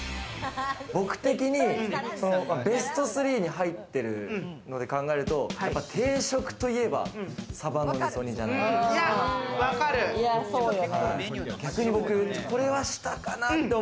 僕的にベスト３に入ってるので考えると定食といえば、さばの味噌煮じゃないかなと。